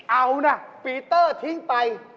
เอานะปีเตอร์ทิ้งไป